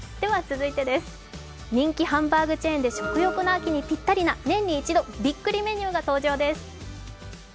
人気ハンバーグチェーンで食欲の秋にぴったりな年に一度、びっくりメニューが登場です。